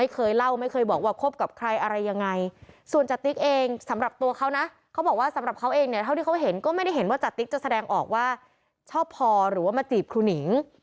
เขาเองเนี่ยเท่าที่เขาเห็นก็ไม่ได้เห็นว่าจัดติ๊กจะแสดงออกว่าชอบพอหรือว่ามาจีบครูนิ่ง